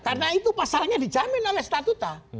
karena itu pasalnya dijamin oleh statuta